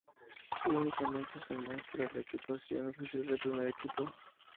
Únicamente se muestra la equipación oficial del primer equipo.